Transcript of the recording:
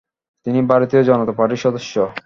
তিনি ভারতীয় জনতা পার্টির সদস্য।